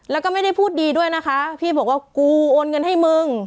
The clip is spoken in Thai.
แล้วก็ไม่ได้พูดดีด้วยนะคะพี่บอกว่ากูโอนเงินให้มึง